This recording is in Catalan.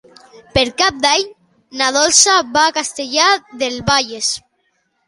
Per Cap d'Any na Dolça va a Castellar del Vallès.